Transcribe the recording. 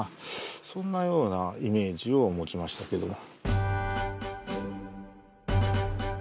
そんなようなイメージを持ちましたけども。